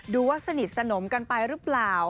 ดูว่าสนิทสนมกันไปหรือเปล่า